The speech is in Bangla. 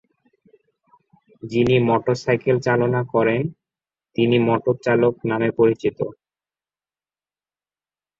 যিনি মোটর সাইকেল চালনা করেন, তিনি মোটর চালক নামে পরিচিত।